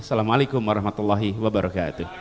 assalamu alaikum warahmatullahi wabarakatuh